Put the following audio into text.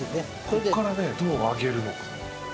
ここからねどう上げるのか。